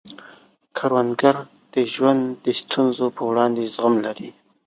کروندګر د ژوند د ستونزو په وړاندې زغم لري